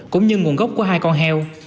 cũng như nguồn gốc của hai con heo